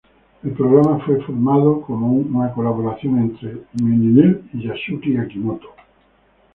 El programa fue formado como una colaboración entre Mnet y Yasushi Akimoto.